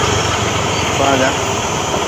Faaga.